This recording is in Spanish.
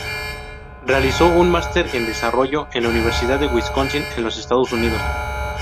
Realizó un Máster en Desarrollo en la Universidad de Wisconsin, en los Estados Unidos.